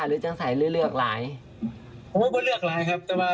หรือชั้นใสหรือหรือเลือกลายโหผมเลือกลายครับเท่าว่า